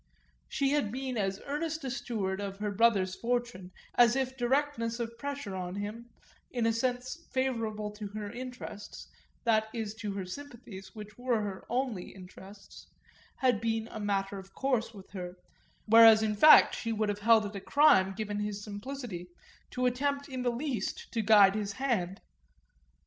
She had been as earnest a steward of her brother's fortune as if directness of pressure on him, in a sense favourable to her interests that is to her sympathies, which were her only interests had been a matter of course with her; whereas in fact she would have held it a crime, given his simplicity, to attempt in the least to guide his hand.